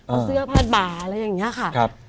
เอาเสื้อผ้าบ่าอะไรอย่างนี้ค่ะ